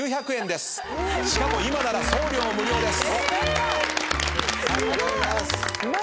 しかも今なら送料無料です。